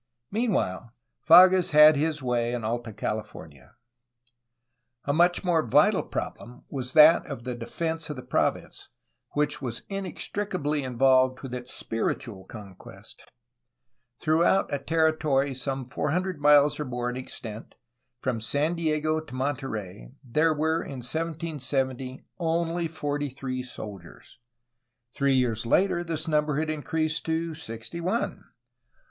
Meanwhile, Fages had his way in Alta California. A much more vital problem was that of the defence of the province, which was inextricably involved with its spiritual PRECARIOUS FOOTING OF THE EARLY SETTLEMENTS 245 conquest. Throughout a territory some four hundred miles or more in extent, from San Diego to Monterey, there were in 1770 only forty three soldiers. Three years later this num ber had increased to sixty one.